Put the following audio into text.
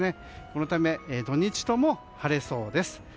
このため、土日とも晴れそうです。